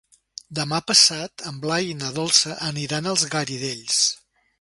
Demà passat en Blai i na Dolça aniran als Garidells.